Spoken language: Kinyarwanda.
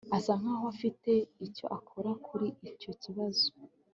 asa nkaho afite icyo akora kuri icyo kibazo